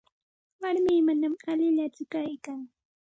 Warmii manam allillakutsu kaykan.